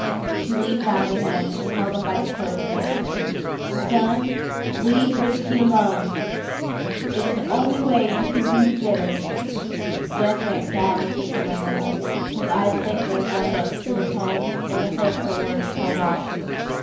She leaned down to him and held him by the coat an instant, "Son, leave whiskey alone. Hit's the only way you kin do to get her." "Yas, Aunt Sally," he murmured. His eyes thanked her with one look for the tone or the hope her words held out.